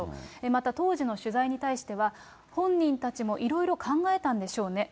また当時の取材に対しては、本人たちもいろいろ考えたんでしょうね。